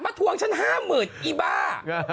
ทวงฉัน๕๐๐๐อีบ้า